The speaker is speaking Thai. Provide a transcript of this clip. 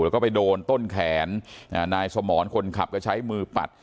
แล้วก็ไปโดนต้นแขนนายสมรคนขับก็ใช้มือปัด